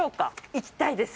行きたいです。